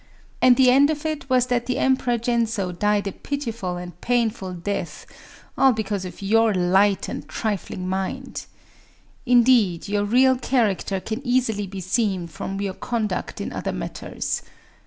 And the end of it was that the Emperor Gensō died a pitiful and painful death—all because of your light and trifling mind. Indeed, your real character can easily be seen from your conduct in other matters.